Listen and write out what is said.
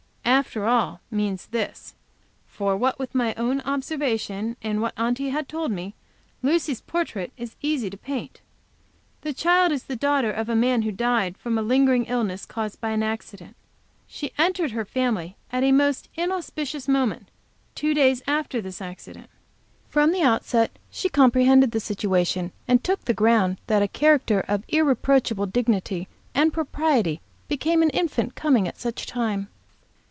"After all" means this (for what with my own observation, and what Aunty has told me, Lucy's portrait is easy to paint) The child is the daughter of a man who died from a lingering illness caused by an accident. She entered the family at a most inauspicious moment, two days after this accident. From the outset she comprehended the situation and took the ground that a character of irreproachable dignity and propriety became an infant coming at such a time.